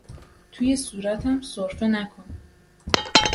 توی صورتم سرفه نکن!